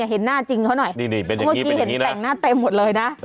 เห็นหน้าจริงเขาหน่อยเมื่อกี้เห็นแต่งหน้าเต็มหมดเลยนะ